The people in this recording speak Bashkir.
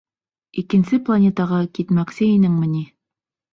Икенсе планетаға китмәксе инеңме ни?